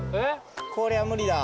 こりゃ無理だ。